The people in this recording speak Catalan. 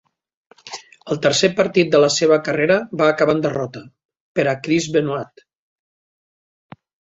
El tercer partit de la seva carrera va acabar en derrota per a Chris Benoit.